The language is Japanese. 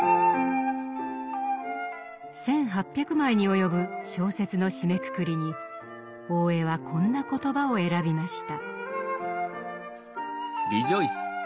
１，８００枚に及ぶ小説の締めくくりに大江はこんな言葉を選びました。